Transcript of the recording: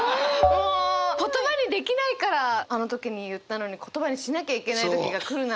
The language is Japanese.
もう言葉にできないからあの時に言ったのに言葉にしなきゃいけない時が来るなんて。